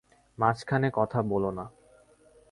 মাঝখানে কথা বলো না।